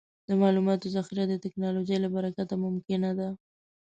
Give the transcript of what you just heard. د معلوماتو ذخیره د ټکنالوجۍ له برکته ممکنه ده.